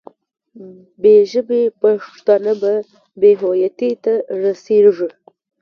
بې ژبې پښتانه به بې هویتۍ ته رسېږي.